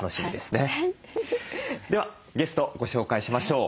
ではゲストご紹介しましょう。